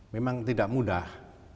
memang tidak mudah